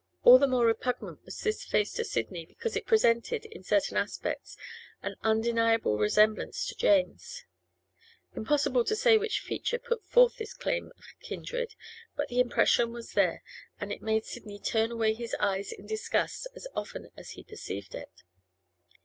All the more repugnant was this face to Sidney because it presented, in certain aspects, an undeniable resemblance to Jane's; impossible to say which feature put forth this claim of kindred, but the impression was there, and it made Sidney turn away his eyes in disgust as often as he perceived it.